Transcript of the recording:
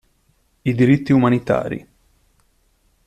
I diritti umanitari.